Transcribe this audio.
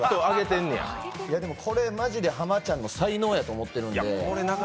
これ、まじで濱ちゃんの才能やと思ってるんで。